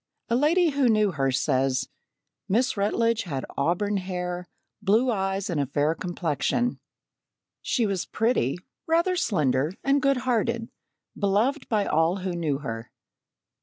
A lady who knew her says: "Miss Rutledge had auburn hair, blue eyes, and a fair complexion. She was pretty, rather slender, and good hearted, beloved by all who knew her."